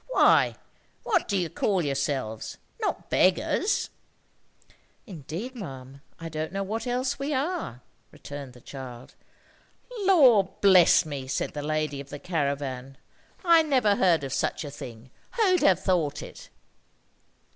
"Why, what do you call yourselves? Not beggars?" "Indeed, ma'am, I don't know what else we are," returned the child. "Lord bless me!" said the lady of the caravan. "I never heard of such a thing. Who'd have thought it?"